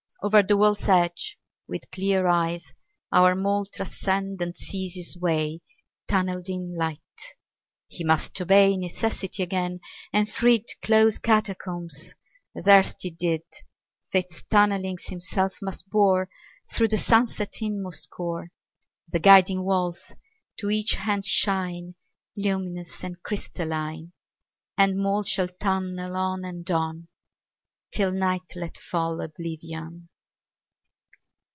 Over the world's edge with clear eyes Our mole transcendent sees his way Tunnelled in light. He must obey Necessity again and thrid Close catacombs as erst he did, Fate's tunnellings himself must bore Thorough the sunset's inmost core. The guiding walls to each hand shine Luminous and crystalline ; And mole shall tunnel on and on Till night let fall oblivion.